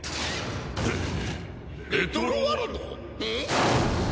レトロワルド？